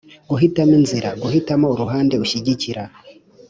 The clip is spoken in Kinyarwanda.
Guhitamo inzira (Guhitamo uruhande ushyigikira)